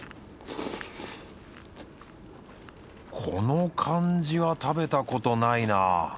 この感じは食べたことないな。